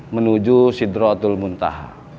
menuju sidrotul muntaha